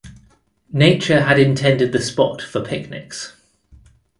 Nature had intended the spot for picnics.